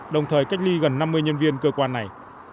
đồng thời cách ly gần năm mươi nhân viên cơ quan này